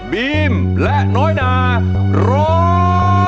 บีมและน้อยนาร้อง